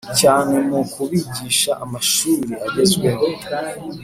cyane mu kubigisha amashuri agezweho